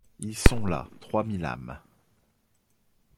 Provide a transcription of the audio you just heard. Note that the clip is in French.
Ils sont là trois mille âmes.